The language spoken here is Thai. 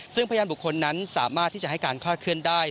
ซึ่งพยานบุคคลนั้นสามารถที่จะให้การคลาดเคลื่อนได้